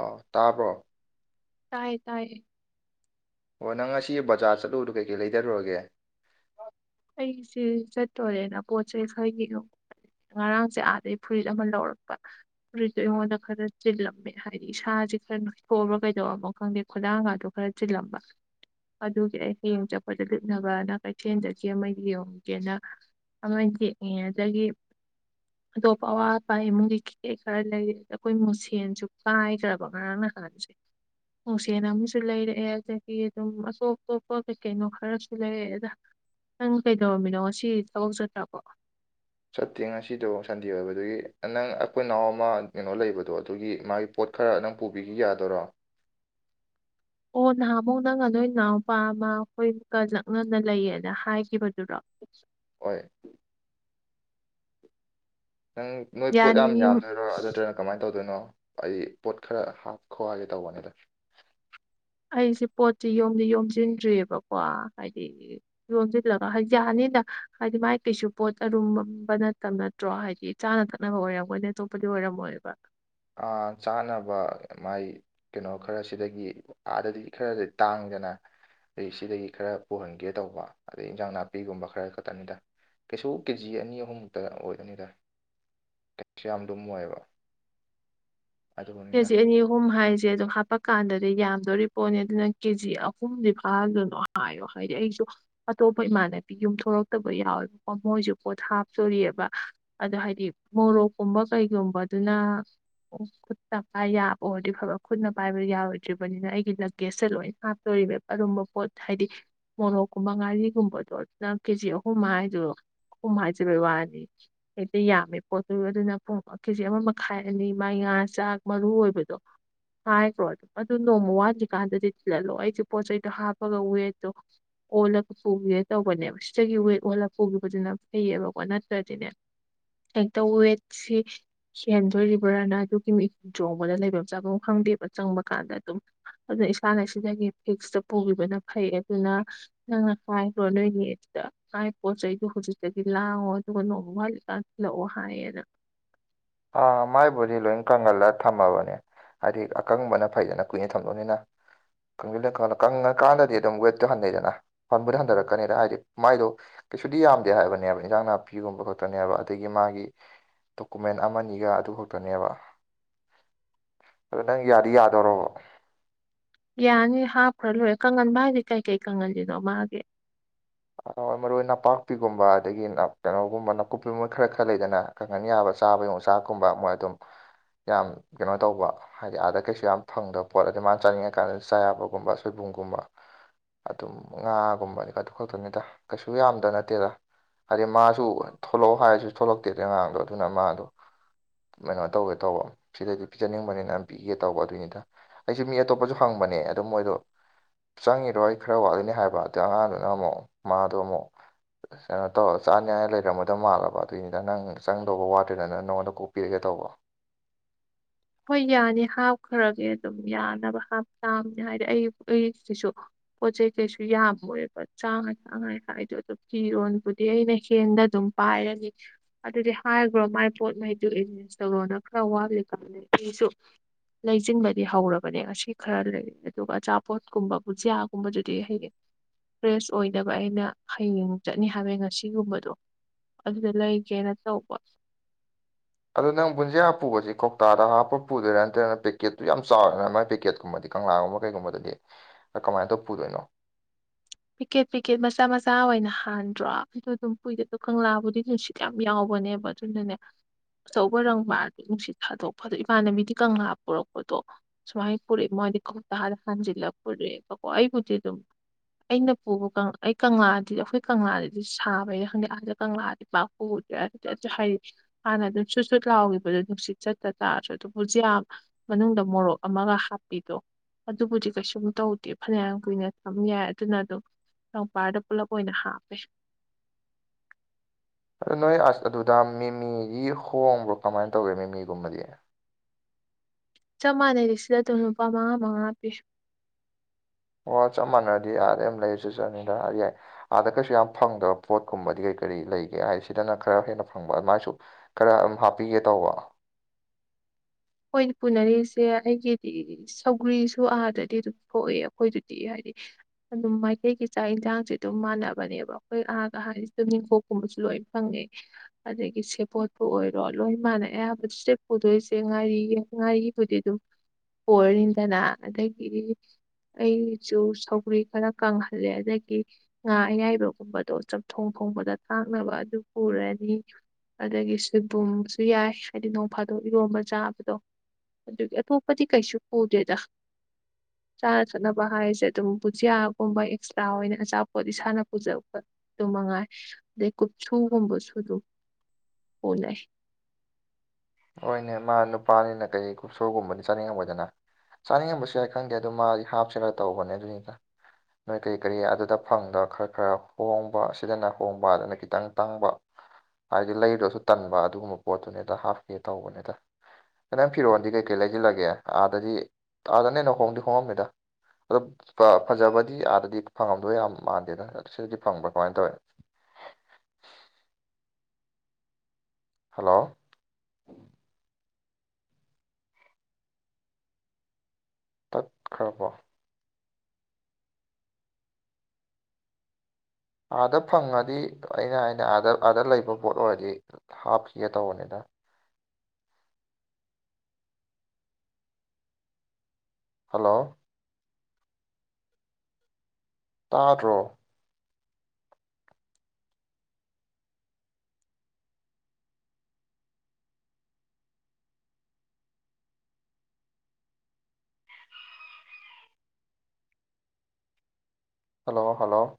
ꯑꯥ ꯇꯥꯕ꯭ꯔꯣ ꯇꯥꯏꯌꯦ ꯇꯥꯏꯌꯦ ꯑꯣ ꯅꯪ ꯉꯁꯤ ꯕꯖꯥꯔ ꯆꯠꯂꯨꯕꯗꯣ ꯀꯩꯀꯩ ꯂꯩꯗꯔꯨꯔꯒꯦ ꯑꯩꯁꯦ ꯆꯠꯇꯣꯔꯦꯅ ꯄꯣꯠꯆꯩ ꯈꯔ ꯌꯦꯡꯂꯝꯕꯅꯦ ꯉꯔꯥꯡꯁꯦ ꯑꯥꯗꯒꯤ ꯐꯨꯔꯤꯠ ꯑꯃ ꯂꯧꯔꯛꯄ ꯐꯨꯔꯤꯠꯇꯣ ꯑꯩꯉꯣꯟꯗ ꯈꯔ ꯆꯤꯜꯂꯝꯃꯦ ꯍꯥꯏꯗꯤ ꯏꯁꯥꯁꯦ ꯈꯔ ꯅꯣꯏꯊꯣꯛꯑ꯭ꯕꯔꯥ ꯀꯩꯗꯧꯔꯕꯅꫭ ꯈꯪꯗꯦ ꯈꯨꯗꯥꯡꯒꯗꯣ ꯈꯔ ꯆꯤꯜꯂꯝꯕ ꯑꯗꯨꯒꯤ ꯑꯩ ꯍꯌꯦꯡ ꯆꯠꯄꯗ ꯂꯤꯠꯅꯕꯅ ꯀꯩꯊꯦꯜꯗꯗꯒꯤ ꯑꯃꯒꯤ ꯌꯦꯡꯒꯦꯅ ꯑꯃ ꯌꯦꯛꯉ ꯑꯗꯒꯤ INAUDIBLE ꯑꯇꯣꯞꯄ ꯑꯋꯥ ꯑꯄꯥ ꯏꯃꯨꯡꯒꯤ ꯀꯦꯩ ꯈꯔ ꯂꯩꯔꯤ ꯑꯩꯈꯣꯏ ꯃꯨꯁꯦꯟꯁꯨ ꯀꯥꯏꯈ꯭ꯔꯕ ꯉꯔꯥꯡ ꯅꯍꯥꯟꯁꯦ ꯃꯨꯁꯦꯟ ꯑꯃꯁꯨ ꯂꯩꯔꯛꯑꯦ ꯑꯗꯒꯤ ꯑꯗꯨꯝ ꯑꯇꯣꯞ ꯑꯇꯣꯞꯄ ꯀꯩ ꯀꯩꯅꯣ ꯈꯔꯁꯨ ꯂꯩꯔꯛꯑꯦꯗ ꯅꯪ ꯀꯩꯗꯧꯔꯝꯃꯤꯅꯣ ꯉꯁꯤ ꯊꯕꯛ ꯆꯠꯇ꯭ꯔꯥꯕꫭ ꯆꯠꯇꯦ ꯉꯁꯤꯗꯣ ꯁꯟꯗꯦ ꯑꯣꯏꯕ ꯑꯗꯨꯒꯤ ꯅꯪ ꯑꯩꯈꯣꯏ ꯏꯅꯥꯎ ꯑꯃ ꯀꯩꯅꯣ ꯂꯩꯕꯗꯣ ꯑꯗꯨꯒꯤ ꯃꯥꯒꯤ ꯄꯣꯠ ꯈꯔ ꯅꯪ ꯄꯨꯕꯤꯈꯤ ꯌꯥꯗꯣꯏꯔꯣ ꯑꯣ ꯅꯍꯥꯟꯃꯨꯛ ꯅꯪ ꯅꯣꯏ ꯏꯅꯥꯎꯄꯥ ꯑꯃ ꯑꯩꯈꯣꯏꯨꯛꯀ ꯅꯛꯅꯅ ꯂꯩꯌꯦꯅ ꯍꯥꯏꯈꯤꯕꯗꯨꯔꯣ INAUDIBLE ꯍꯣꯏ ꯅꯪ ꯅꯣꯏ ꯄꯣꯠ ꯌꯥꯝ ꯌꯥꯅꯤ ꯌꯥꯝꯗꯣꯏꯔꯣ ꯑꯗꯨꯗ ꯀꯃꯥꯏꯅ ꯇꯧꯗꯣꯏꯅꯣ ꯑꯩ ꯄꯣꯠ ꯈꯔ ꯍꯥꯞꯈꯣ ꯍꯥꯏꯒꯦ ꯇꯧꯕꯅꯤꯗ ꯑꯩꯁꯦ ꯄꯣꯠꯁꯤ ꯌꯣꯝꯗꯤ ꯌꯣꯝꯁꯤꯟꯗ꯭ꯔꯤꯌꯦꯕꯀꯣ ꯍꯥꯏꯗꯤ ꯌꯣꯝꯁꯤꯜꯂꯒ ꯍꯥꯏꯗꯤ ꯌꯥꯅꯤꯗ ꯍꯥꯏꯗꯤ ꯃꯥꯏ ꯀꯩꯁꯨ ꯄꯣꯠ ꯑꯔꯨꯝꯕ ꯈꯣꯠꯄ [unintelligible] ꯅꯠꯇ꯭ꯔꯣ ꯍꯥꯏꯗꯤ ꯆꯥꯅ ꯊꯛꯅꯕ ꯑꯣꯏꯔꯝꯃꯣꯏꯅꯦ ꯑꯇꯣꯞꯄꯗꯤ ꯑꯣꯏꯔꯝꯃꯣꯏꯕ ꯑ ꯆꯥꯅꯕ ꯃꯥꯏ ꯀꯩꯅꯣ ꯈꯔ ꯁꯤꯗꯒꯤ ꯑꯥꯗꯤ ꯈꯔꯗꯤ ꯇꯥꯡꯏꯗꯅ ꯑꯩ ꯁꯤꯗꯒꯤ ꯈꯔ ꯄꯨꯍꯟꯒꯦ ꯇꯧꯕ ꯑꯗꯩ ꯏꯟꯖꯥꯡ ꯅꯥꯄꯤꯒꯨꯝꯕ ꯈꯔ ꯈꯛꯇꯅꯤꯗ ꯀꯩꯁꯨ ꯀꯦꯖꯤ ꯑꯅꯤ ꯑꯍꯨꯝꯃꯨꯛꯇ ꯑꯣꯏꯗꯣꯏꯅꯤꯗ ꯀꯁꯨ ꯌꯥꯝ ꯂꯨꯝꯃꫭꯏꯕ ꯀꯖꯤ ꯑꯅꯤ ꯍꯨꯝ ꯍꯥꯏꯁꯦ ꯑꯗꯝ ꯍꯥꯞ ꯍꯥꯞꯄ ꯀꯥꯟꯗꯗꯤ ꯌꯥꯝꯗꯣꯔꯤ ꯄꯣꯠꯅꯤ ꯑꯗꯨꯅ ꯀꯦꯖꯤ ꯑꯍꯨꯝꯗꯤ ꯐꯥꯗꯣꯏꯅꯣ ꯍꯥꯏꯌꯣ ꯍꯥꯏꯗꯤ ꯑꯩꯁꯨ ꯑꯇꯣꯞꯄ ꯏꯃꯥꯟꯅꯕꯤ ꯌꯨꯝꯊꯣꯔꯛꯇꯕ ꯌꯥꯎꯋꯦꯕꯀꯣ ꯃꯣꯏꯁꯨ ꯄꯣꯠꯊ ꯍꯥꯞꯇꯣꯔꯤꯑꯕ ꯑꯗ ꯍꯥꯏꯗꯤ ꯃꯣꯔꯣꯛꯀꯨꯝꯕ ꯀꯩꯒꯨꯝꯕꯗꯨꯅ ꯌꯥꯕꯑꯣꯗꯤ ꯐꯕ ꯈꯨꯠꯅ ꯄꯥꯏꯕ ꯌꯥꯔꯣꯏꯗ꯭ꯔꯤꯕꯅꯤꯅ ꯑꯩꯒꯤ ꯂꯒꯦꯖꯁꯦ ꯂꯣꯏꯅ ꯍꯥꯞꯇꯣꯔꯤꯕ ꯑꯔꯨꯝꯕ ꯄꯣꯠ ꯍꯥꯏꯗꯤ ꯃꯣꯔꯣꯛꯀꯨꯝꯕ ꯉꯥꯔꯤꯒꯨꯝꯕꯗꯣ ꯑꯗꯨꯅ ꯀꯦꯖꯤ ꯑꯍꯨꯝ ꯍꯥꯏꯗꯣ ꯑꯍꯨꯝ ꯍꯥꯏꯖꯕꯩ ꯋꯥꯅꯤ ꯍꯦꯛꯇ ꯌꯥꯝꯃꯦ ꯄꯣꯠꯇꯨ ꯑꯗꯨꯅ ꯄꯨꯡ ꯀꯦꯖꯤ ꯑꯃ ꯃꯈꯥꯏ ꯑꯅꯤ ꯃꯥꯏ ꯉꯥ ꯆꯥꯛ ꯃꯔꯨ ꯑꯣꯏꯕꯗꯣ ꯍꯥꯏꯈ꯭ꯔꯣ ꯑꯗꯨꯝ ꯑꯗꯨ ꯅꯣꯡꯃ ꯋꯥꯟꯂꯤꯀꯥꯟꯗꯗꯤ ꯊꯤꯜꯍꯜꯂꯣ ꯑꯩꯁꯨꯦ ꯄꯣꯠꯆ ꯆꯩꯗꯣ ꯍꯥꯞꯄꯒ ꯋꯦꯠꯇꯣ ꯑꯣꯜꯂꯒ ꯄꯨꯈꯤꯒꯦ ꯇꯧꯕꯅꯦꯕ ꯁꯤꯗꯒꯤ ꯋꯦꯠ ꯑꯣꯜꯂꯒ ꯄꯨꯈꯤꯕꯗꯨꯅ ꯐꯩꯌꯦꯕꯀꯣ ꯅꯠꯇ꯭ꯔꯗꯤꯅꯦ ꯍꯦꯛꯇ ꯋꯦꯠꯁꯤ ꯍꯦꯟꯗꯣꯔꯤꯕ꯭ꯔꯅ ꯑꯗꯨꯒꯤ ꯆꯣꯡꯕꯗ ꯂꯩꯐꯝ ꯆꯥꯐꯝ ꯈꯪꯗꯦꯕ ꯆꯪꯕ ꯀꯥꯟꯗ ꯑꯗꯨꯝ ꯑꯗꯨꯅ ꯏꯁꯥꯅ ꯁꯤꯗꯒꯤ ꯐꯤꯛꯁꯇ ꯄꯨꯕꯤꯕꯅ ꯐꯩ ꯑꯗꯨꯅ ꯅꯪꯅ ꯀꯣꯛ ꯍꯥꯏꯒꯔꯣ ꯅꯣꯏꯒꯤ ꯑꯗꯨꯗ ꯉꯥꯏ ꯄꯣꯠ ꯆꯩꯗꯣ ꯍꯧꯖꯤꯛꯇꯗꯤ ꯂꯥꯡꯑꯣ ꯑꯗꯨꯒ ꯅꯣꯡꯃ ꯋꯥꯔꯤ ꯀꯥꯟ ꯊꯤꯜꯂꯛꯑꯣ ꯍꯥꯏꯌꯦꯅ ꯑꯥ ꯃꯥꯏꯕꯨꯗꯤ ꯂꯣꯏ ꯀꯪꯍꯜꯂ ꯊꯝꯃꯕꯅꯦ ꯍꯥꯏꯗꯤ ꯑꯀꯪꯕꯅ ꯐꯩꯖꯅ ꯀꯨꯏꯅ ꯊꯝꯂꯛꯅꯤꯅ ꯀꯪꯉꯀꯥꯟꯗꯗꯤ ꯑꯗꯨꯝ ꯋꯦꯠꯇꯣ ꯍꯟꯊꯩꯗꯅ ꯍꯟꯕꯨꯗꯤꯣ ꯍꯟꯊꯔꯛꯀꯅꯤꯗ ꯍꯥꯏꯗꯤ ꯃꯥꯏꯗꯣ ꯀꯩꯁꯨꯗꯤ ꯌꯥꯝꯗꯦ ꯍꯥꯏꯕꯅꯦꯕ ꯏꯟꯁꯥꯡ ꯅꯥꯄꯤꯒꯨꯝꯕ ꯈꯛꯇꯅꯦꯕ ꯑꯗꯒꯤ ꯃꯥꯒꯤ ꯗꯣꯀꯨꯃꯦꯟ ꯑꯃꯅꯤꯒ ꯑꯗꯨ ꯈꯛꯇꯅꯦꯕ ꯑꯗꯣ ꯅꯪ ꯌꯥꯗꯤ ꯌꯥꯗꯧꯔꯣꯕ ꯌꯥꯅꯤ ꯍꯥꯞꯄꯈ꯭ꯔꯣ ꯂꯣꯏꯔꯦ ꯀ ꯀꯥꯡꯉꯟ ꯃꯥꯒꯤꯦ ꯀꯩ ꯀꯩ ꯀ ꯀꯥꯡꯉꯟꯁꯤꯗꯣ ꯃꯥꯒꯤꯦ ꯃꯔꯣꯏ ꯅꯅꯥꯄꯥꯛꯄꯤꯒꯨꯝꯕ ꯑꯗꯒꯤ ꯀꯩꯅꯣꯒꯨꯝꯕ ꯅꯥꯀꯨꯞꯄꯤ ꯃꯣꯏ ꯈꯔ ꯈꯔ ꯂꯩꯗꯅ ꯀꯪꯍꯟ ꯌꯥꯕ ꯆꯥꯕ ꯌꯣꯡꯆꯥꯛꯀꯨꯝꯕ ꯃꯣꯏ ꯑꯗꯨꯝ ꯌꯥꯝ ꯀꯩꯅꯣ ꯇꯧꯕ ꯍꯥꯏꯗꯤ ꯑꯥꯗ ꯀꯩꯁꯨ ꯌꯥꯝ ꯐꯪꯗꯕ ꯄꯣꯠ ꯑꯗꯤ ꯃꯥꯅ ꯆꯥꯅꯤꯡꯉꯀꯥꯟꯗꯗꯤ ꯆꯥ ꯌꯥꯕꯒꯨꯝꯕ ꯁꯣꯏꯕꯨꯝꯒꯨꯝꯕ ꯑꯗꯨꯝ ꯉꯥꯒꯨꯝꯕꯅꯤꯒ ꯑꯗꯨ ꯈꯛꯇꯅꯤꯗ ꯀꯩꯁꯨ ꯌꯥꯝꯗ ꯅꯠꯇꯦꯗ ꯍꯥꯏꯗꯤ ꯃꯥꯁꯨ ꯊꯣꯛꯂꯛꯑꯣ ꯍꯥꯏꯔꯁꯨ ꯊꯣꯛꯂꯛꯇꯦꯗ ꯑꯉꯥꯡꯗꯣ ꯑꯗꯨꯅ ꯃꯥꯗꯣ ꯀꯩꯅꯣ ꯇꯧꯒꯦ ꯇꯧꯕ ꯁꯤꯗꯗꯤ ꯄꯤꯖꯅꯤꯡꯕꯅꯤꯅ ꯌꯥꯝ ꯄꯤꯒꯦ ꯇꯧꯕ ꯑꯗꯨꯏꯅꯤꯗ ꯑꯩꯁꯨꯦ ꯃꯤ ꯑꯇꯣꯞꯄꯁꯨ ꯍꯪꯕꯅꯦ ꯑꯗꯨ ꯃꯣꯏꯗꯣ ꯆꯪꯉꯤꯔꯣꯏ ꯈꯔ ꯋꯥꯠꯂꯤꯅꯤ ꯍꯥꯏꯕ ꯑꯗꯣ ꯑꯉꯥꯡꯗꯨꯗ ꯃꯣ ꯃꯥꯗꯨꯃꯣ ꯀꯩꯅꯣ ꯇꯧꯔ ꯆꯥꯅꯤꯉꯥꯏ ꯂꯩꯔꯝꯃꯗ ꯃꯥꯜꯂꯕ ꯑꯗꯨꯏꯅꯤꯗ ꯅꯪ ꯆꯪꯗꯧꯕ ꯋꯥꯠꯇꯦꯗ ꯅꯪ ꯅꯉꯣꯟꯗ ꯀꯣꯛꯄꯤꯔꯒꯦ ꯇꯧꯕ ꯍꯣꯏ ꯌꯥꯅꯤ ꯍꯥꯞꯈ꯭ꯔꯒꯦ ꯑꯗꯨꯝ ꯌꯥꯅꯕ ꯍꯥꯞ ꯇꯥꯝꯅꯦ ꯍꯥꯏꯗꯤ ꯑꯩ ꯑꯩꯁꯤꯁꯨ ꯄꯣꯠ ꯆꯩꯩ ꯀꯩꯁꯨ ꯌꯥꯝꯃꯣꯏꯕ ꯆꯥ ꯊꯥꯉꯥꯏ ꯍꯥꯏꯗꯣ ꯑꯗꯨꯝ ꯀꯤꯔꯣꯅꯕꯨꯗꯤ ꯑꯩꯅ ꯍꯦꯟꯗ ꯑꯗꯨꯝ ꯄꯥꯏꯔꯅꯤ ꯑꯗꯨꯗꯤ ꯍꯥꯏꯈ꯭ꯔꯣ ꯃꯥꯏ ꯄꯣꯠꯉꯩꯗꯨ ꯏꯟꯂꯤꯁꯇꯂꯣꯅ ꯈꯔ ꯋꯥꯠꯂꯤ ꯈꯂ ꯃꯤ ꯃꯤ ꯁꯨ ꯂꯩꯁꯤꯡꯕꯗꯤ ꯍꯧꯔꯕꯅꯦ ꯑꯁꯤ ꯈꯔ ꯂꯩ ꯑꯗꯨꯒ ꯑꯆꯥꯄꯣꯠꯀꯨꯝꯕ ꯕꯨꯖꯤꯌꯥꯒꯨꯝꯕꯗꯨꯗꯤ ꯍꯌꯦ ꯐ꯭ꯔꯦꯁ ꯑꯣꯏꯗꯕ ꯑꯩꯅ ꯍꯌꯦꯡ ꯆꯠꯅꯤ ꯍꯥꯏꯕꯩ ꯉꯁꯤꯒꯨꯝꯕꯗꯣ ꯑꯗꯨꯗ ꯂꯩꯒꯦꯅ ꯇꯧꯕ ꯑꯗꯣ ꯅꯪꯕꯨꯟꯖꯦ ꯍꯥꯞꯄꯕꯁꯤ ꯀꯧꯇꯥꯗ ꯍꯥꯞꯄ ꯄꯨꯗꯣꯏꯥ ꯅꯠꯇ꯭ꯔꯅ ꯄꯦꯀꯦꯠꯇꯨ ꯌꯥꯝ ꯆꯥꯎꯔꯦꯅ ꯃꯥꯏ ꯄꯦꯀꯦꯠꯀꯨꯝꯕꯗꯤ ꯀꯪꯂꯥꯒꯨꯝꯕ ꯀꯩꯒꯨꯝꯕꯗꯗꯤ ꯀꯃꯥꯏꯅ ꯇꯧ ꯄꯨꯗꯣꯏꯅꯣ ꯄꯤꯛꯀꯦꯠ ꯄꯤꯛꯀꯦꯠ ꯃꯆꯥ ꯃꯆꯥ ꯑꯣꯏꯅ ꯍꯥꯟꯗ꯭ꯔꯣ ꯑꯗꯨꯗꯣ ꯑꯗꯨꯝ ꯀꯨꯏꯗꯗꯣ ꯀꯪꯂꯥꯕꯨꯗꯤ ꯅꯨꯡ ꯌꯥꯝ ꯌꯥꯎꯕꯅꯦꯕ ꯑꯗꯨꯅꯅꯦ ꯑꯆꯧꯕ ꯔꯪ ꯃꯥꯔꯗꯣ ꯅꯨꯡꯁꯤꯠ ꯊꯥꯗꯣꯛꯄꯗꯣ ꯏꯃꯥꯟꯅꯕꯤꯗꯤ ꯀꯪꯂꯥ ꯄꯨꯔꯛꯄꯗꯣ ꯁꯃꯥꯏ ꯄꯨꯔꯦ ꯃꯣꯏꯗꯤ ꯈꯣ ꯇꯥ ꯈꯥꯟ ꯖꯤꯂꯥ ꯄꯨꯔꯦ ꯀꯋꯥꯕꯨ ꯑꯗꯨ ꯑꯩꯅ ꯄꯨꯕ ꯀꯪꯂꯥ ꯑꯩ ꯀꯪꯂꯥꯗꯤ ꯑꯩꯈꯣꯏ ꯀꯪꯂꯥꯗꯗꯤ ꯁꯥꯕ ꯈꯪꯗꯦ ꯑꯥꯗ ꯀꯪꯂꯥꯗꯤ ꯄꯄ ꯑꯗꯨꯗꯤ ꯑꯗꯨꯁꯨ ꯍꯥꯏ ꯍꯥꯟꯅ ꯑꯗꯨꯝ ꯁꯨꯠ ꯁꯨꯠ ꯂꯥꯎꯈꯤꯕꯗꯣ ꯅꯨꯡꯁꯤꯠ ꯆꯠꯇ ꯇꯥꯔꯁꯨ ꯑꯗꯨꯝ ꯍꯧꯖꯤꯛ ꯌꯥꯝ ꯃꯅꯨꯡꯗ ꯃꯣꯔꯣꯛ ꯑꯃꯒ ꯍꯥꯞꯄꯤꯗꯣ ꯑꯗꯨꯕꯨꯗꯤ ꯀꯩꯁꯨꯝ ꯇꯧꯗꯦ ꯐꯅꯌꯥꯝ ꯀꯨꯏꯅ ꯊꯝ ꯌꯥꯏꯦ ꯑꯗꯨꯅ ꯑꯗꯨꯝ ꯅꯄꯥꯔꯗ ꯄꯨꯂꯞ ꯑꯣꯏꯅ ꯍꯥꯞꯄꯦ ꯑꯗ ꯅꯣꯏ ꯑꯁ ꯑꯗꯨꯗ ꯃꯤꯃꯤꯒꯤ ꯍꯣꯡꯕ꯭ꯔꯣ ꯀꯃꯥꯏꯅ ꯇꯧꯒꯦ ꯃꯃꯤꯒꯨꯝꯕꯗꯤ ꯆꯞ ꯃꯥꯟꯅꯩꯔꯤ ꯁꯤꯗ ꯑꯗꯨꯝ ꯂ ꯅꯨꯄꯥ ꯃꯉꯥ ꯃꯉꯥ ꯍꯥꯞꯄꯤꯌ ꯑꯣ ꯆꯞ ꯃꯥꯟꯅꯗꯤ ꯑꯗꯩꯦꯝ ꯂꯩ ꯆꯠ ꯆꯠꯅꯤꯗ ꯌꯥꯏ ꯑꯥꯗ ꯀꯩꯁꯨ ꯌꯥꯝ ꯐꯪꯗꯕ ꯄꯣꯠꯀꯨꯝꯕꯗꯤ ꯀꯔꯤ ꯀꯔꯤ ꯂꯩꯒꯦ ꯍꯥꯏꯗꯤ ꯁꯤꯗꯅ ꯈꯔ ꯍꯦꯟꯅ ꯐꯪꯕ ꯑꯗꯨꯃꯥꯏꯁꯨ ꯈꯔ ꯑꯗꯨꯝ ꯍꯥꯞꯄꯤꯒꯦ ꯇꯧꯕ ꯑꯈꯣꯏꯅ ꯄꯨꯅꯔꯤꯁꯦ ꯑꯩꯒꯤꯗꯤ ꯁꯧꯒ꯭ꯔꯤꯁꯨ ꯑꯥꯗꯗꯤ ꯑꯗꯨꯝ ꯊꯣꯛꯑꯦ ꯑꯩꯈꯣꯏꯗꯨꯗꯤ ꯍꯥꯏꯗꯤ ꯑꯗꯨꯝ ꯃꯥꯏꯀꯩꯒꯤ ꯆꯥꯛ ꯌꯦꯟꯁꯥꯡꯁꯦ ꯑꯗꯨꯝ ꯃꯥꯟꯅꯕꯅꯦꯕ ꯑꯩꯈꯣꯏ ꯑꯍꯥꯒ ꯍꯥꯏꯔꯤꯁꯤ ꯑꯗꯨꯝꯣꯛ ꯀꯨꯝꯕꯁꯨ ꯂꯣꯏ ꯐꯪꯉꯦ ꯑꯗꯒꯤ ꯁꯦꯄꯣꯠꯄꯨ ꯑꯣꯏꯔꯣ ꯂꯣꯏ ꯃꯥꯅ ꯑꯌꯥꯝꯕ ꯁꯇꯦꯞ ꯄꯨꯗꯣꯏꯁꯦ ꯉꯥꯔꯤ ꯉꯥꯔꯤꯕꯨꯗꯤ ꯑꯗꯨꯝ ꯑꯣꯏꯔꯅꯤꯗꯅ ꯑꯗꯒꯤ ꯑꯩꯁꯨ ꯁꯧꯒ꯭ꯔꯤ ꯈꯔ ꯀꯪꯍꯜꯂꯦ ꯑꯗꯒꯤ ꯉꯥ ꯑꯌꯥꯏꯕꯒꯨꯝꯕꯗꯣ ꯆꯝꯊꯣꯡ ꯊꯣꯡꯕꯗ ꯊꯥꯛꯅꯕ ꯑꯗꯨ ꯎꯔꯅꯤ ꯑꯗꯒꯤ ꯁꯣꯏꯕꯨꯝꯁꯨ ꯌꯥꯏ ꯍꯥꯏꯗꯤ ꯅꯣꯡ ꯐꯥꯗꯣꯛ ꯏꯔꯣꯝꯕ ꯆꯥꯕꯗꯣ ꯑꯗꯨꯒꯤ ꯑꯇꯣꯞꯄꯗꯤ ꯀꯩꯁꯨ ꯄꯨꯗꯦꯗ [unintelligible] ꯆꯥꯅ ꯊꯛꯅꯕ ꯍꯥꯏꯔꯤꯁꯦ ꯑꯗꯨꯝ ꯕꯨꯖꯤꯌꯥꯒꯨꯝꯕ ꯑꯦꯛꯁꯇ꯭ꯔꯥ ꯑꯣꯏꯅ ꯑꯆꯥꯄꯣꯠ ꯏꯁꯥꯅ ꯄꯨꯖꯕꯄ ꯑꯗꯨꯝ ꯃꯉꯥꯏ ꯑꯗꯩ ꯀꯨꯞꯁꯨꯒꯨꯝꯕꯁꯨ ꯑꯗꯨꯝ ꯑꯣꯅꯩ ꯍꯣꯏꯅꯦ ꯃꯥ ꯅꯨꯄꯥꯅꯤꯅ ꯀꯩ ꯨꯞꯁꯣꯒꯨꯝꯕꯅꯤ ꯆꯥꯅꯤꯡꯉꯝꯕꯗꯅ ꯆꯥꯅꯤꯡꯉꯕꯁꯨ ꯌꯥꯏ ꯈꯪꯗꯦ ꯑꯗꯨ ꯃꯥꯒꯤ ꯍꯥꯞꯁꯔ ꯇꯧꯕꯅꯦ ꯑꯗꯨꯅꯤꯗ ꯅꯣꯏ ꯀꯔꯤ ꯀꯔꯤ ꯑꯗꯨꯗ ꯐꯪꯗ ꯈꯔ ꯈꯔ ꯍꯣꯡꯕ ꯁꯤꯗꯅ ꯍꯣꯡꯕꯗꯅ ꯈꯤꯇꯪ ꯇꯥꯡꯕ ꯍꯥꯏꯗꯤ ꯂꯩꯗꯨꯁꯨ ꯇꯟꯕ ꯑꯗꯨꯒꯨꯝꯕ ꯄꯣꯠꯇꯨꯅꯦꯗ ꯍꯥꯞꯀꯦ ꯇꯧꯕꯅꯤꯗ ꯅ ꯅꯪ ꯐꯤꯔꯣꯟꯜꯗꯤ ꯀꯩꯀꯩ ꯂꯩꯁꯤꯜꯂꯒꯦ ꯑꯥꯗꯗꯤ ꯑꯥꯗꯅ ꯍꯦꯟꯅ ꯍꯣꯡꯗꯤ ꯍꯣꯡꯉꯝꯃꯤꯗ ꯑꯗꯣ ꯐꯖꯕꯗꯤ ꯑꯥꯗꯗꯤ ꯐꯪꯉꯝꯗꯣꯏ ꯌꯥꯝ ꯃꯥꯟꯗꯦꯗ ꯁꯤꯗꯤ ꯐꯪꯕ꯭ꯔꯥ ꯀꯃꯥꯏꯅ ꯇꯧꯋꯤ ꯍꯜꯂꯣ ꯇꯠꯈ꯭ꯔꯕꯣ ꯑꯥꯗ ꯐꯪꯉꯗꯤ ꯑꯩꯅ ꯍꯥꯏꯩꯅ ꯑꯥꯗ ꯑꯥꯗ ꯂꯩꯕ ꯄꯣꯠ ꯑꯣꯏꯔꯗꯤ ꯍꯥꯞꯈꯤꯒꯦ ꯇꯧꯕꯅꯤꯗ ꯍꯜꯂꯣ ꯇꯥꯗꯔꯣ ꯍꯜꯂꯣ ꯍꯜꯂꯣ